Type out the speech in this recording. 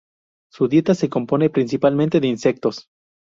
Su dieta se compone principalmente de insectos.